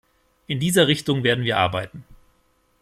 In dieser Richtung werden wir arbeiten.